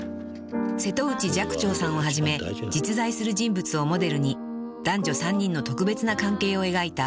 ［瀬戸内寂聴さんをはじめ実在する人物をモデルに男女３人の特別な関係を描いた話題作です］